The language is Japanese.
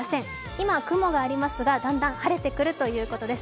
今雲がありますがだんだん晴れてくるということです。